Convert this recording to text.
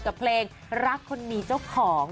กับเพลงรักคนมีเจ้าของ